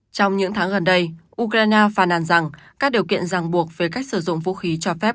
trong những tháng gần đây ukraine phàn nàn rằng các điều kiện ràng buộc về cách sử dụng vũ khí cho phép